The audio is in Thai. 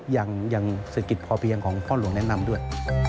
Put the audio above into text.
อย่างเศรษฐกิจพอเพียงของพ่อหลวงแนะนำด้วย